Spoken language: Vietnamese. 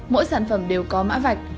mỗi sản phẩm đều có mã vạch